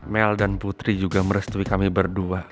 mel dan putri juga merestui kami berdua